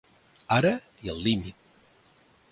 Ara i al límit.